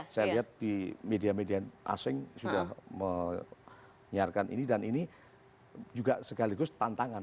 saya lihat di media media asing sudah menyiarkan ini dan ini juga sekaligus tantangan